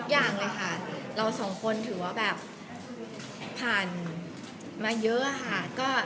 ทุกอย่างเลยค่ะเขาถือว่าเรา๒คนผ่านมาเยอะ